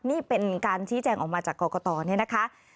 นี่เป็นการชี้แจงออกมาจากกรกตเนี่ยนะคะ